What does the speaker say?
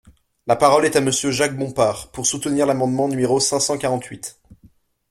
La parole est à Monsieur Jacques Bompard, pour soutenir l’amendement numéro cinq cent quarante-huit.